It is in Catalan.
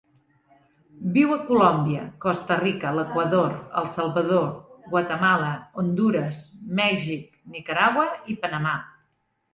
Viu a Colòmbia, Costa Rica, l'Equador, El Salvador, Guatemala, Hondures, Mèxic, Nicaragua i Panamà.